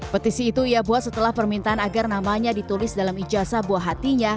petisi itu ia buat setelah permintaan agar namanya ditulis dalam ijazah buah hatinya